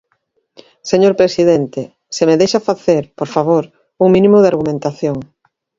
Señor presidente, se me deixa facer, por favor, un mínimo de argumentación.